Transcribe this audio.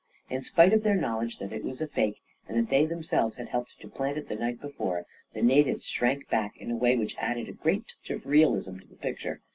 In spite of their knowledge that it was a fake and that they themselves had helped to plant it the night before, the natives shrank back in a way which added a great touch of realism to the picture.